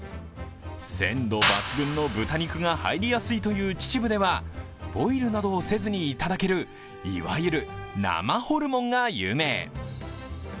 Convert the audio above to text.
鮮度抜群の豚肉が入りやすいという秩父ではボイルなどをせずにいただけるいわゆる生ホルモンが有名。